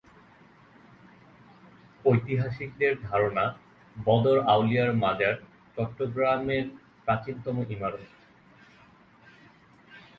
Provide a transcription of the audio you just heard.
ঐতিহাসিকদের ধারণা বদর আউলিয়ার মাজার চট্টগ্রামের প্রাচীনতম ইমারত।